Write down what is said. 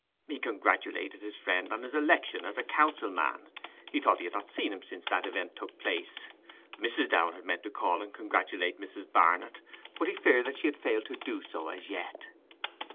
He congratulated his friend on his election as a council man; he thought he had not seen him since that event took place; Mrs. Downe had meant to call and congratulate Mrs. Barnet, but he feared that she had failed to do so as yet.